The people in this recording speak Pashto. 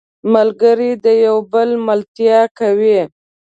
ملګری د یو بل ملتیا کوي